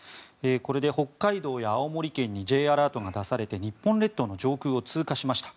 これで北海道や青森県にＪアラートが出されて日本列島の上空を通過しました。